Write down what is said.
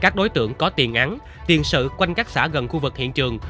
các đối tượng có tiền án tiền sự quanh các xã gần khu vực hiện trường